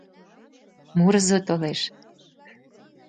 Мурызо толеш.